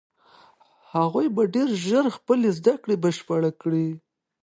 هغوی به ډېر ژر خپلې زده کړې بشپړې کړي.